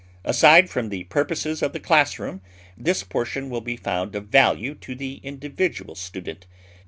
Aside from the purposes of the class room, this portion will be found of value to the individual student.